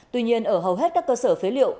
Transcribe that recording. tuy nhiên ở hầu hết các cơ sở phế liệu